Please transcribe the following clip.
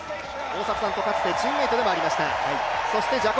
大迫さんとかつてチームメイトでもありました。